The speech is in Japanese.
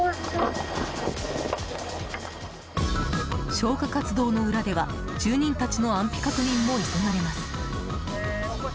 消火活動の裏では住人たちの安否確認も急がれます。